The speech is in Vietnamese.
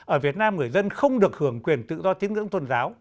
ở việt nam người dân không được hưởng quyền tự do tiếng ngưỡng tôn giáo